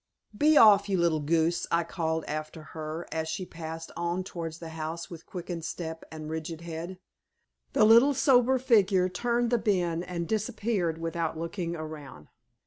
"Be off, you little goose!" I called after her as she passed on towards the house with quickened step and rigid head. The little sober figure turned the bend and disappeared without looking around.